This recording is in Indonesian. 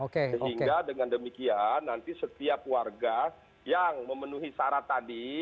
sehingga dengan demikian nanti setiap warga yang memenuhi syarat tadi